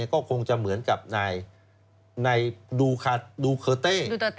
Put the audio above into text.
ก็คงจะเหมือนกับนายดูเคอร์เต้